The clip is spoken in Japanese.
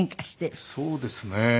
そうですね。